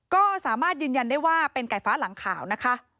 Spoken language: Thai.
ก็สามารถยืนยันได้ว่าเป็นไก่ฟ้าหลังขาวนะคะ